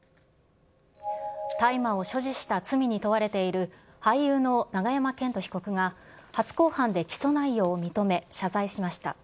大麻を所持した罪に問われている俳優の永山絢斗被告が初公判で起訴内容を認め、謝罪しました。